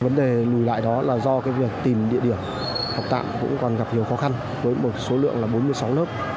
vấn đề lùi lại đó là do việc tìm địa điểm học tạm cũng còn gặp nhiều khó khăn với một số lượng là bốn mươi sáu lớp